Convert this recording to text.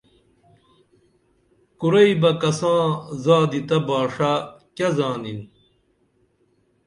کُرئی بہ کساں زادی تہ باݜہ کیہ زانِن